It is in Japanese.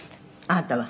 「あなたが？